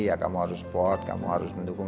ya kamu harus support kamu harus mendukung